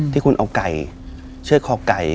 ที่คุณเอาไก่เชือกคอไก่